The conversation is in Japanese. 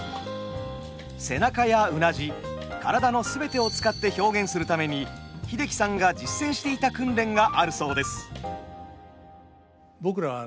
背中やうなじ体の全てを使って表現するために英樹さんが実践していた訓練があるそうです。